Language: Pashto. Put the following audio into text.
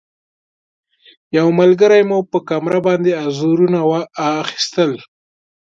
یو ملګري مو په کامره باندې انځورونه اخیستل.